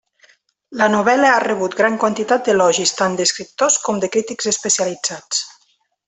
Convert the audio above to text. La novel·la ha rebut gran quantitat d'elogis, tant d'escriptors com de crítics especialitzats.